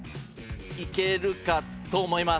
いけるかと思います